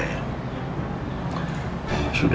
kakak tinggal di sini lagi